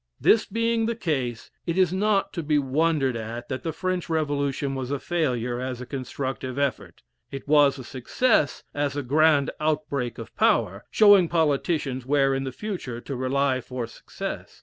This being the case, it is not to be wondered at that the French Revolution was a failure as a constructive effort; it was a success as a grand outbreak of power; showing politicians where (in the future) to rely for success.